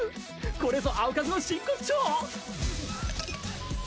これぞ青活の真骨頂！